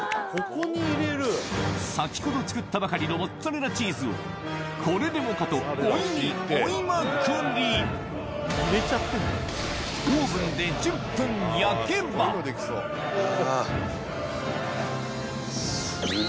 先ほど作ったばかりのモッツァレラチーズをこれでもかと追いに追いまくり焼けばわ。